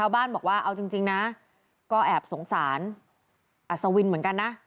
บ้านบอกว่าเอาจริงนะก็แอบสงสารอัศวินเหมือนกันนะ